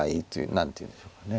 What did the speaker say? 何ていうんでしょうか。